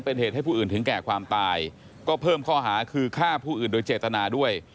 เป็นเหตุให้ผู้อื่นถึงแก่ความตายก็เพิ่มข้อหาคือฆ่าผู้อื่นโดยเจตนาด้วย